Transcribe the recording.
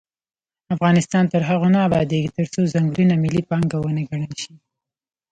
افغانستان تر هغو نه ابادیږي، ترڅو ځنګلونه ملي پانګه ونه ګڼل شي.